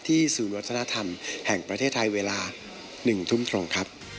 ศูนย์วัฒนธรรมแห่งประเทศไทยเวลา๑ทุ่มตรงครับ